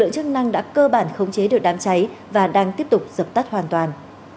chức năng đã cơ bản khống chế được đám cháy và đang tiếp tục dập tắt hoàn toàn